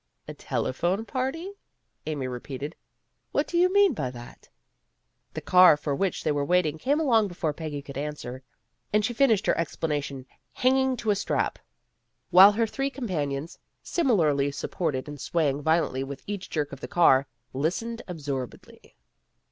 "A" telephone party," Amy repeated. "What do you mean by that?" The car for which they were waiting came along before Peggy could answer, and she finished her ex planation hanging to a strap, while her three 32 PEGGY RAYMOND'S WAY companions, similarly supported and swaying violently with each jerk of the car, listened ab sorbedly.